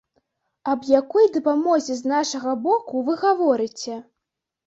Аб якой дапамозе з нашага боку вы гаворыце?